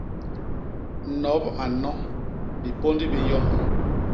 Nop a nno, bipôndi bi nyon.